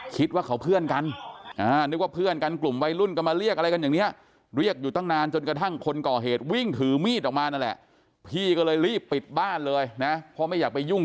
คิดว่าเขาเพื่อนกันนึกว่าเพื่อนกันกลุ่มวัยรุ่นก็มาเรียกอะไรกันอย่างนี้เรียกอยู่ตั้งนานจนกระทั่งคนก่อเหตุวิ่งถือมีดออกมานั่นแหละพี่ก็เลยรีบปิดบ้านเลยนะเพราะไม่อยากไปยุ่ง